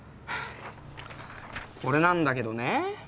ハァこれなんだけどね。